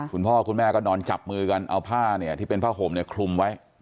คุณพ่อคุณแม่ก็นอนจับมือกันเอาผ้าเนี่ยที่เป็นผ้าห่มเนี่ยคลุมไว้